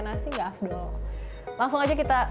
nasi nggak afdol langsung aja kita